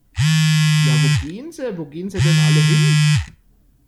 Ja wo gehn se, wo gehn se denn alle hin?